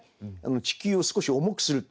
地球を少し重くするって。